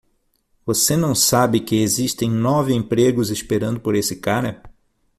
Você não sabe que existem nove empregos esperando por esse cara?